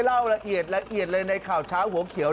เล่าระเอียดเลยในข่าวช้าหัวเขียว